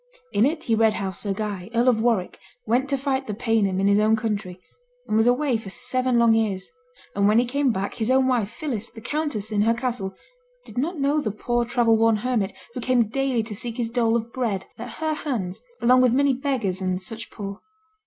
In it he read how Sir Guy, Earl of Warwick, went to fight the Paynim in his own country, and was away for seven long years; and when he came back his own wife Phillis, the countess in her castle, did not know the poor travel worn hermit, who came daily to seek his dole of bread at her hands along with many beggars and much poor.